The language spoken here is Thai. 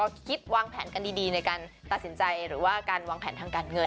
คิดวางแผนกันดีในการตัดสินใจหรือว่าการวางแผนทางการเงิน